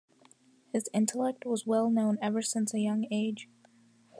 His intellect was well-known ever since a young age.